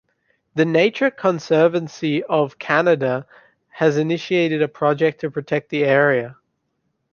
The Nature Conservancy of Canada has initiated a project to protect the area.